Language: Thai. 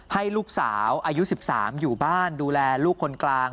ให้ลูกสาวอายุ๑๓อยู่บ้านดูแลลูกคนกลาง